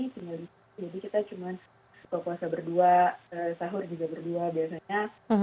jadi kita cuma buka puasa berdua sahur juga berdua biasanya